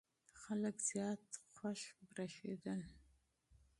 خلک زیات خوښ برېښېدل.